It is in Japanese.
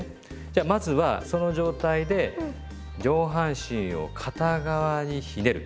じゃあまずはその状態で上半身を片側にひねる。